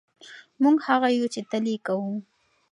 موږ هغه یو چې تل یې کوو.